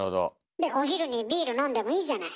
でお昼にビール飲んでもいいじゃない。